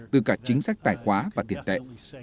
từ cả chính sách tài khoá và tiền tệ